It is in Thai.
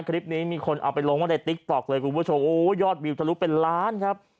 คลิปนี้มีคนเอาไปลงไว้ในติ๊กต๊อกเลยคุณผู้ชมโอ้ยอดวิวทะลุเป็นล้านครับ